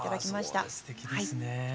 あすてきですね。